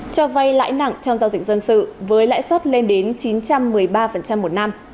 cho vay lãi nặng trong giao dịch dân sự với lãi suất lên đến chín trăm một mươi ba một năm